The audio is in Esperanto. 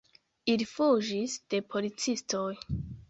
Ili fuĝis de policistoj.